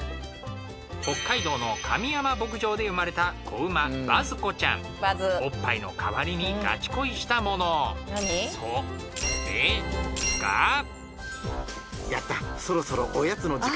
北海道の上山牧場で生まれたおっぱいの代わりにガチ恋したものそれが「やったそろそろ」